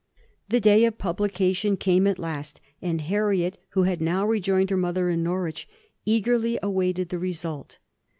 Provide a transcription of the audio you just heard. The day of publication came at last, and Harriet, who had now rejoined her mother in Norwich, eagerly awaited the result.